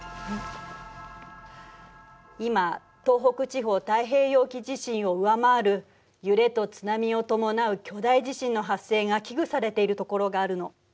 今東北地方太平洋沖地震を上回る揺れと津波を伴う巨大地震の発生が危惧されている所があるの。